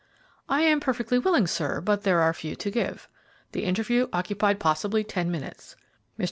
"I am perfectly willing, sir, but there are few to give. The interview occupied possibly ten minutes. Mr.